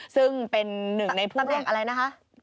ซึ่งเป็นหนึ่งในผู้แหล่งอะไรนะคะตั้งแหล่ง